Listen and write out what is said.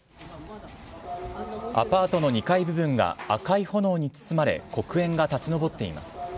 アパートの２階部分が赤い炎に包まれ黒煙が立ち上っています。